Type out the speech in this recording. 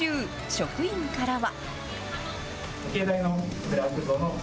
職員からは。